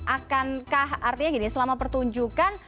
akankah artinya gini selama pertunjukan